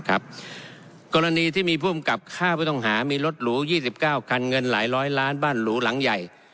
กรณีที่มีผู้อำกับฆ่าผู้ต้องหามีรถหรู๒๙คันเงินหลายร้อยล้านบ้านหรูหลังใหญ่